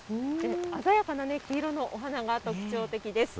鮮やかな黄色のお花が特徴的です。